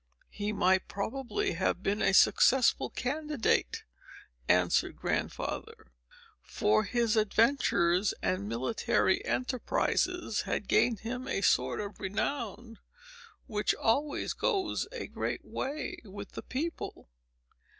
"He might probably have been a successful candidate," answered Grandfather; "for his adventures and military enterprises had gained him a sort of renown, which always goes a great way with the people.